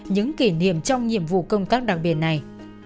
những kỷ niệm trong nhiệm vụ công tác đặc biệt này